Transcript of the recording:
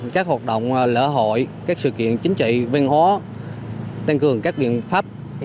các hoạt động lễ hội các sự kiện chính trị văn hóa tăng cường các biện pháp